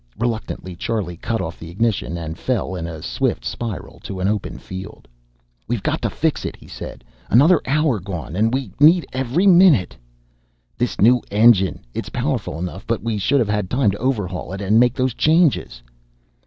Reluctantly, Charlie cut off the ignition, and fell in a swift spiral to an open field. "We're got to fix it!" he said. "Another hour gone! And we needed every minute!" "This new engine! It's powerful enough, but we should have had time to overhaul it, and make those changes."